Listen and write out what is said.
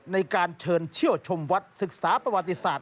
ในการเชิญเชี่ยวชมวัดศึกษาประวัติศาสต